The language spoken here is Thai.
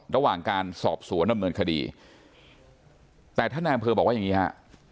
ระหว่างการสอบสวนดำเนินคดีแต่ท่านนายอำเภอบอกว่าอย่างนี้ฮะ